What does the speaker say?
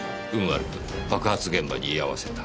悪く爆発現場に居合わせた。